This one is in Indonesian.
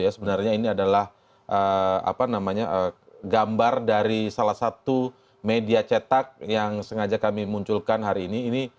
sebenarnya ini adalah gambar dari salah satu media cetak yang sengaja kami munculkan hari ini